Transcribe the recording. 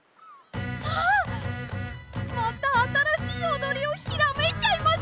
あっまたあたらしいおどりをひらめいちゃいました！